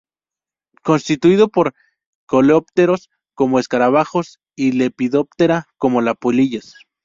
Constituido por coleópteros como escarabajos y lepidoptera como las polillas.